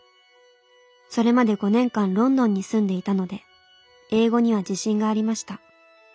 それまで５年間ロンドンに住んでいたので英語には自信がありました。